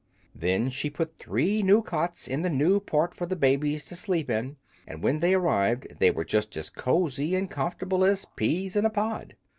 Then she put three new cots in the new part for the babies to sleep in, and when they arrived they were just as cozy and comfortable as peas in a pod.